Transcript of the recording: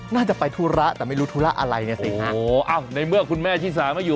น่าจะไปธุระแต่ไม่รู้ธุระอะไรเนี่ยสิฮะโอ้โหอ้าวในเมื่อคุณแม่ชิสาไม่อยู่